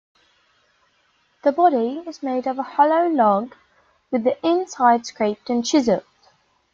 The body is made of a hollow log, with the inside scraped and chiseled.